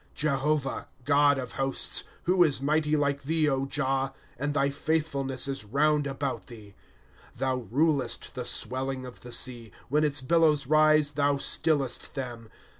^ Jehovah, God of hosts, "Who is mighty like thee, Jah, And thy faithfulness is round about thee. ^ Thou rulest the swelling of the sea ; When its billows rise, thou stillest them.